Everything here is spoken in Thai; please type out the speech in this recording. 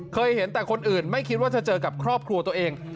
เคยเห็นแต่คนอื่นไม่คิดว่าจะเจอกับครอบครัวตัวเอง